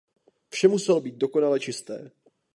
Vše muselo být dokonale čisté.